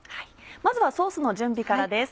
まずはソースの準備からです。